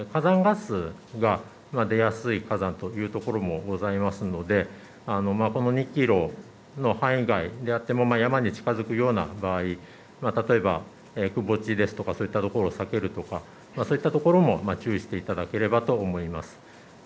それから、火山ガスが出やすい火山というところもございますのでこの２キロの範囲外であっても山に近づくような場合例えば窪地ですとかそういう所を避けるとかそういったところも注意していただければと思います。